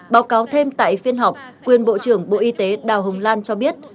báo cáo thêm tại phiên họp quyền bộ trưởng bộ y tế đào hồng lan cho biết